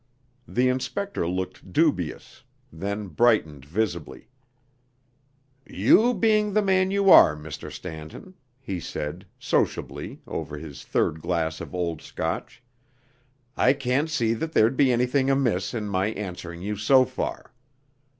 The inspector looked dubious, then brightened visibly. "You being the man you are, Mr. Stanton," he said, sociably, over his third glass of old Scotch, "I can't see that there'd be anything amiss in my answering you so far.